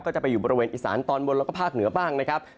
ก็จะไปอยู่บริเวณอีสานตอนบนแล้วก็ภาคเหนือบ้างนะครับ